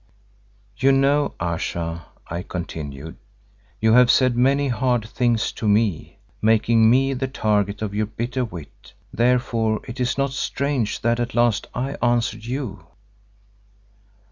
"You know, Ayesha," I continued, "you have said many hard things to me, making me the target of your bitter wit, therefore it is not strange that at last I answered you."